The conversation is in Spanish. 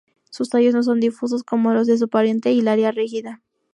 Sus tallos no son difusos como los de su pariente, "Hilaria rigida".